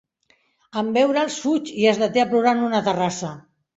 En veure'ls, fuig i es deté a plorar en una terrassa.